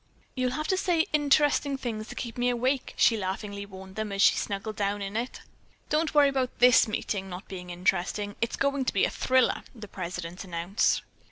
"You'll have to say interesting things to keep me awake," she laughingly warned them as she snuggled down in it. "Don't worry about this meeting not being interesting. It's going to be a thriller," the president announced.